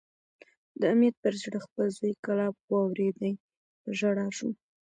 د امیة پر زړه خپل زوی کلاب واورېدی، په ژړا شو